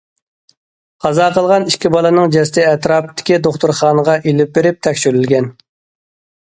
قازا قىلغان ئىككى بالىنىڭ جەسىتى ئەتراپتىكى دوختۇرخانىغا ئېلىپ بېرىلىپ تەكشۈرۈلگەن.